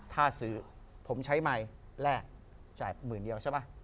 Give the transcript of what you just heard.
ถ้าซื้อผมใช้ไมค์แรกจ่ายหมื่นเดียวใช่ป่ะ